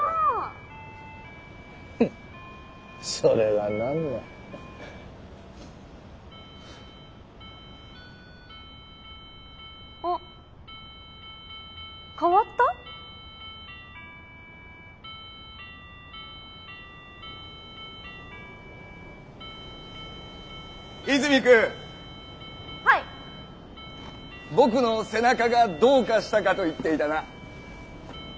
僕の「背中」がどうかしたかと言っていたな。